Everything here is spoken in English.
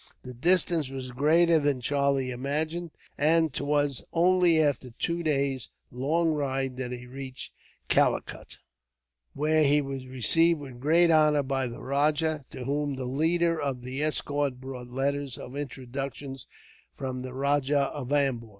The distance was greater than Charlie imagined, and 'twas only after two days' long ride that he reached Calicut, where he was received with great honor by the rajah, to whom the leader of the escort brought letters of introduction from the Rajah of Ambur.